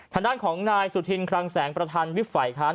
ทางด้านของนายสุธินคลังแสงประธานวิบฝ่ายค้าน